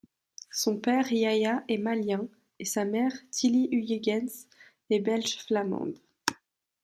Son père Yaya est malien et sa mère, Tilly Huygens, est belge flamande.